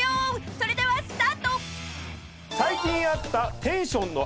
それではスタート！］